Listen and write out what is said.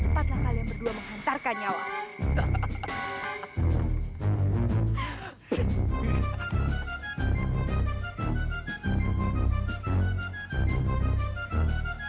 cepat cepatlah kalian berdua menghantarkan nyawa